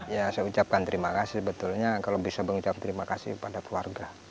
ya saya ucapkan terima kasih betulnya kalau bisa mengucapkan terima kasih kepada keluarga